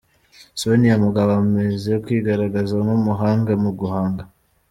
Sonia Mugabo amaze kwigaragaza nk’umuhanga mu guhanga.